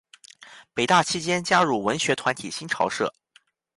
北大期间加入文学团体新潮社。